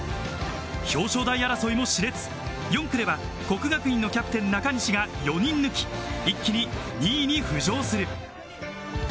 表彰台争いも熾烈、４区では國學院のキャプテン中西が４人抜き、一気に２位に浮上する。